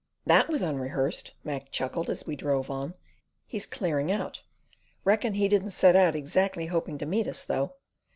"That was unrehearsed," Mac chuckled, as we drove on. "He's clearing out! Reckon he didn't set out exactly hoping to meet us, though.